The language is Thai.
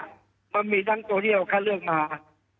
มันมีสมัครพอมีสำคัญตัวถ้าเราเลือกเขามา